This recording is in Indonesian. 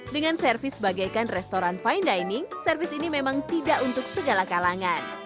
dengan servis bagaikan restoran fine dining servis ini memang tidak untuk segala kalangan